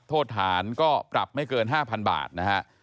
โทษฐานก็ปรับไม่เกิน๕๐๐๐บาทนะฮะ